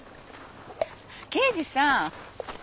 刑事さん！